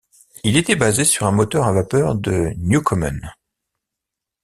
Il était basé sur un moteur à vapeur de Newcomen.